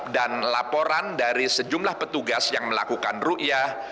dan laporan dari sejumlah petugas yang melakukan ru'yah